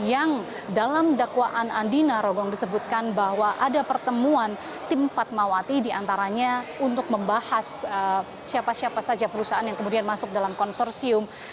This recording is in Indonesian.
yang dalam dakwaan andi narogong disebutkan bahwa ada pertemuan tim fatmawati diantaranya untuk membahas siapa siapa saja perusahaan yang kemudian masuk dalam konsorsium